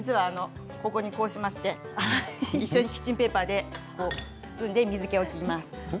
ここに、こうしまして一緒にキッチンペーパーに包んで水けを切ります。